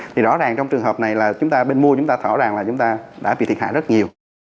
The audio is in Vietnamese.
thì rõ ràng trong trường hợp này là chúng ta bên mua chúng ta thở ràng là chúng ta đã bị thiệt hại rất nhiều